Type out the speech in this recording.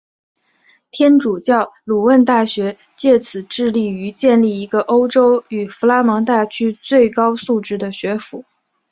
天主教鲁汶大学藉此致力于建立一个欧洲与弗拉芒大区最高素质的学府。